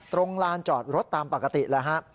ลานจอดรถตามปกติแล้วฮะ